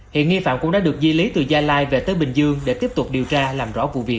hiện nghi phạm cũng đã được di lý từ gia lai về tới bình dương để tiếp tục điều tra làm rõ vụ việc